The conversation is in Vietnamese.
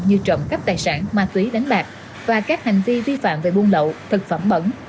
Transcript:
như trộm cắp tài sản ma túy đánh bạc và các hành vi vi phạm về buôn lậu thực phẩm bẩn